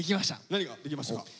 何ができましたか？